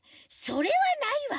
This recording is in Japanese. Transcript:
それはないわ。